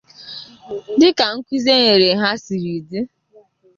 dịka nkụzi e nyere ha siri dị